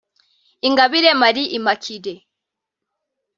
Ingabire Marie Immaculée